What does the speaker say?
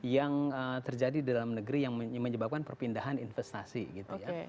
yang terjadi di dalam negeri yang menyebabkan perpindahan investasi gitu ya